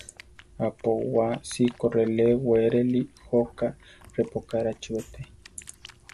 Apowá cikó reʼlé weéreli jóka repókarachi beté.